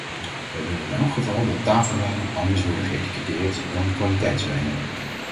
Wij willen in elk geval dat tafelwijnen anders worden geëtiketteerd dan kwaliteitswijnen.